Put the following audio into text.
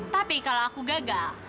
tapi kalau aku gagal